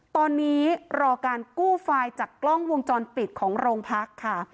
ตอนนี้รอการกู้ไฟล์จากกล้องวงจรปิดของโรงพักค่ะ